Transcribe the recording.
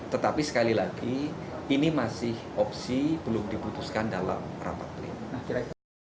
tetapi sekali lagi ini masih opsi belum diputuskan dalam rapat pleno